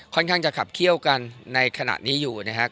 ค่อนข้างจะขับเคี่ยวกันในขณะนี้อยู่นะครับ